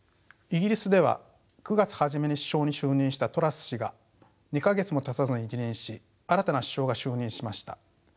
イギリスでは９月初めに首相に就任したトラス氏が２か月もたたずに辞任し新たな首相が就任しました。